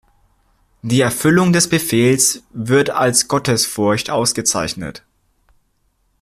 Die Erfüllung des Befehls wird als Gottesfurcht ausgezeichnet.